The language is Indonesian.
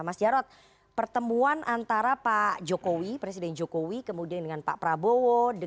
mas jarod pertemuan antara pak jokowi presiden jokowi kemudian dengan pak prabowo